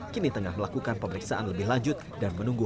kini tengah melakukan pemeriksaan lebih lanjut dan menunggu